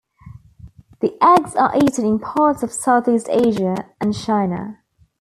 The eggs are eaten in parts of Southeast Asia and China.